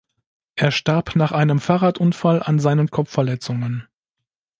Er starb nach einem Fahrradunfall an seinen Kopfverletzungen.